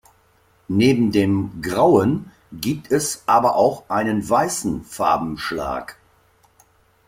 Neben dem grauen gibt es aber auch einen weißen Farbenschlag.